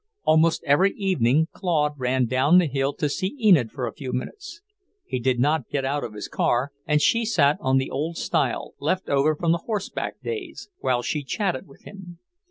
Almost every evening Claude ran down to the mill to see Enid for a few minutes; he did not get out of his car, and she sat on the old stile, left over from horse back days, while she chatted with him.